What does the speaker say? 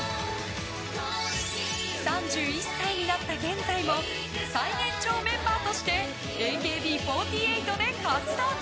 ３１歳になった現在も最年長メンバーとしてＡＫＢ４８で活動中。